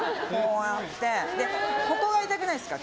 ここが痛くないですか？